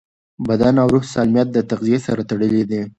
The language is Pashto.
د بدن او روح سالمیت د تغذیې سره تړلی دی.